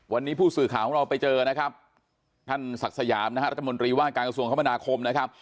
วันนี้ผู้สื่อข่าวเราไปเจอนะครับท่านศักดิ์สยามนะฮะไปจับรัฐมนตรีว่ากระทรวงคมฯาแน่คม